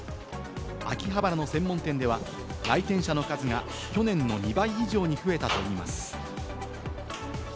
秋葉原の専門店では来店者の数が去年の２倍以上に増えたといいます。